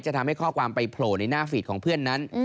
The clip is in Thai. จะทำให้ข้อความไปโผล่ในหน้าฟีดของเพื่อนนั้น